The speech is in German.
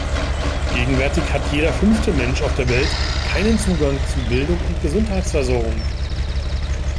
Gegenwärtig hat jeder fünfte Mensch auf der Welt keinen Zugang zu Bildung und Gesundheitsversorgung.